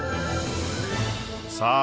さあ